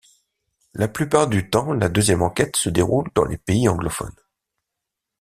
La plupart du temps, la deuxième enquête se déroule dans les pays anglophones.